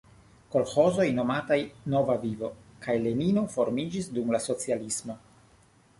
Kolĥozoj nomataj "Nova Vivo" kaj Lenino formiĝis dum la socialismo.